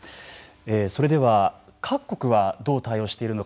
それでは各国はどう対応しているのか。